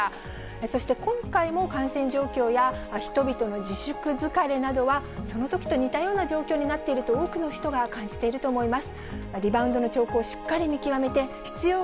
そして今回も感染状況や、人々の自粛疲れなどは、そのときと似たような状況になっていると、多くの人が感じていると思います。